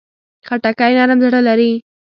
خټکی نرم زړه لري.